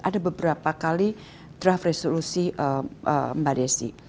ada beberapa kali draft resolusi mbak desi